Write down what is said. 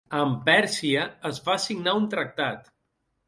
Amb Pèrsia es va signar un tractat.